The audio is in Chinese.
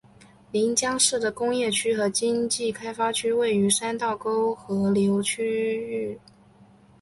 临江市的工业区和经济开发区位于三道沟河流域内。